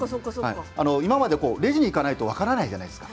今までレジに行かないと分からないじゃないですか。